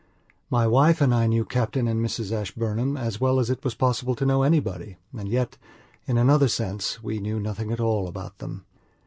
My wife and I knew Captain and Mrs Ashburnham as well as it was possible to know anybody, and yet, in another sense, we knew nothing at all about them.